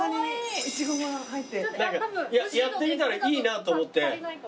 やってみたらいいなと思って。